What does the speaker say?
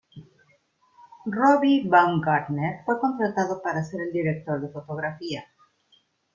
Robby Baumgartner fue contratado para ser el director de fotografía.